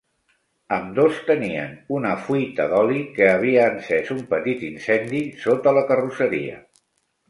Ambdós tenien una fuita d'oli que havia encès un petit incendi sota la carrosseria.